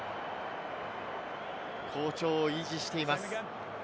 好調を維持しています。